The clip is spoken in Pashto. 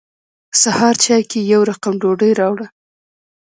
سهار چای کې یې يو رقم ډوډۍ راوړه.